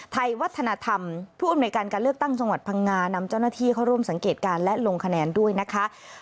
ไทยวัฒนธรรมผู้อำนวยการการเลือกตั้งจังหวัดพังงานำเจ้าหน้าที่เข้าร่วมสังเกตการณ์และลงคะแนนด้วยนะคะ